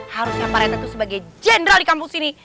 harusnya pak rt tuh sebagai jenderal di kampung sini